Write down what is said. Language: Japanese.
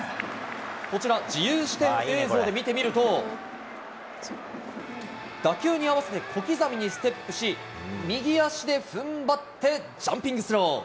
こちら、自由視点映像で見てみると、打球に合わせて小刻みにステップし、右足でふんばってジャンピングスロー。